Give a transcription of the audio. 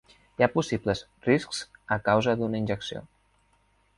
Hi ha possibles riscs a causa d'una injecció.